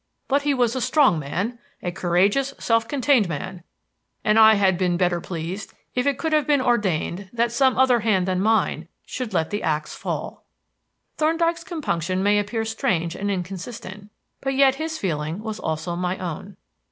But he was a strong man a courageous, self contained man, and I had been better pleased if it could have been ordained that some other hand than mine should let the axe fall." Thorndyke's compunction may appear strange and inconsistent, but yet his feeling was also my own.